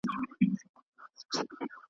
چی یې ځانونه مرګي ته سپر کړل .